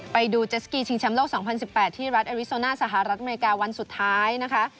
ไปดูเจสกีชิงแชมป์โลก๒๐๑๘ที่รัฐเอริโซน่าสหรัฐอเมริกาวันสุดท้ายนะคะ